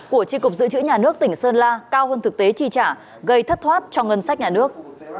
của tri cục dự trữ nhà nước tỉnh sơn la cao hơn thực tế chi trả gây thất thoát cho ngân sách nhà nước